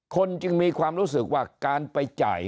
จึงมีความรู้สึกว่าการไปจ่าย